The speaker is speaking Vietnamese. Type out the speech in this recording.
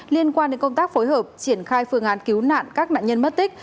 liên quan đến công tác phối hợp triển khai phương án cứu nạn các nạn nhân mất tích